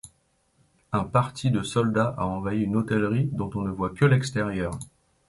Un parti de soldats a envahi une hôtellerie dont on ne voit que l'extérieur.